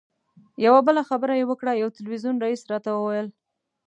یوه بله خبره یې وکړه یو تلویزیون رییس راته وویل.